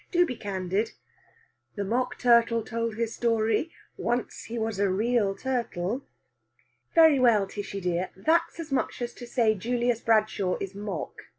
Do be candid!" "The mock turtle told his story. Once, he was a real turtle." "Very well, Tishy dear. That's as much as to say Julius Bradshaw is mock.